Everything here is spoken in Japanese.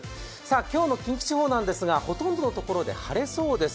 今日の近畿地方なんですがほとんどのところで晴れそうです